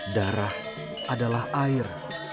darah adalah air